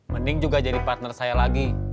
mending juga jadi partner saya lagi